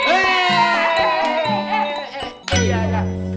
tidak ada masalah